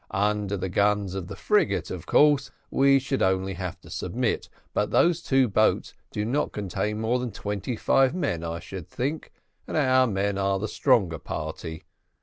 Under the guns of the frigate, of course, we should only have to submit; but those two boats do not contain more than twenty five men, I should think, and our men are the stronger party.